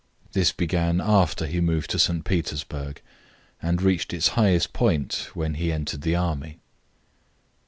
This began after he moved to St. Petersburg, and reached its highest point when he entered the army.